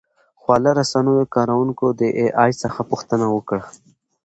خواله رسنیو کاروونکو د اې ای څخه پوښتنه وکړه.